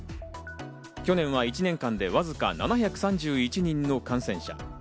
去年は１年間でわずか７３１人の感染者。